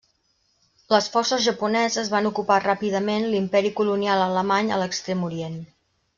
Les forces japoneses van ocupar ràpidament l'imperi colonial alemany a l'Extrem Orient.